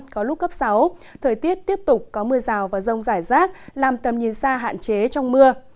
có lúc cấp sáu thời tiết tiếp tục có mưa rào và rông rải rác làm tầm nhìn xa hạn chế trong mưa